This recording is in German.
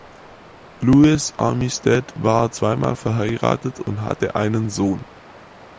Lewis Armistead war zweimal verheiratet und hatte einen Sohn.